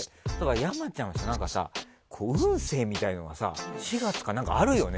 山ちゃんさ、運勢みたいなのがさ４月から何かあるよね。